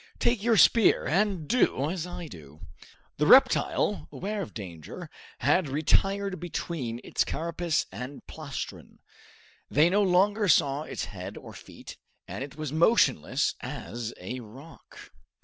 Take your spear and do as I do." The reptile, aware of danger, had retired between its carapace and plastron. They no longer saw its head or feet, and it was motionless as a rock.